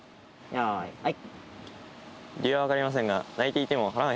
よいはい！